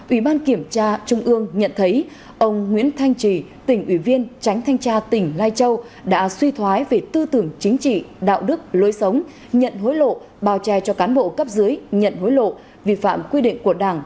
ủy ban kiểm tra trung ương nhận thấy ông nguyễn thanh trì tỉnh ủy viên tránh thanh tra tỉnh lai châu đã suy thoái về tư tưởng chính trị đạo đức lối sống nhận hối lộ bao che cho cán bộ cấp dưới nhận hối lộ vi phạm quy định của đảng